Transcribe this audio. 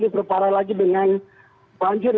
diperparah lagi dengan banjir